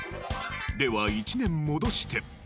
では１年戻して。